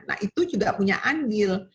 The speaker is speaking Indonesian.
nah itu juga punya andil